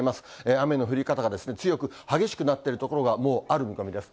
雨の降り方が強く激しくなっている所がもうある見込みです。